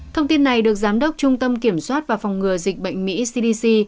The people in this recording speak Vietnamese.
thông tin này được giám đốc trung tâm kiểm soát và phòng ngừa dịch bệnh mỹ cdc